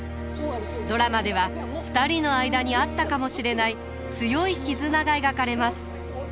ドラマでは２人の間にあったかもしれない強い絆が描かれます。